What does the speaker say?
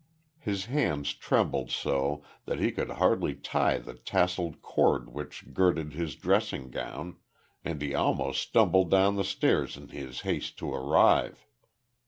His hands trembled so that he could hardly tie the tasselled cord which girded his dressing gown, and he almost stumbled down the stairs in his haste to arrive.